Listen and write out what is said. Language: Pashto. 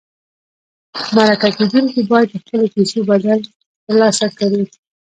مرکه کېدونکي باید د خپلو کیسو بدل ترلاسه کړي.